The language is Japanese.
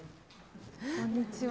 こんにちは。